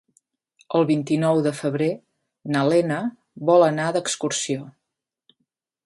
El vint-i-nou de febrer na Lena vol anar d'excursió.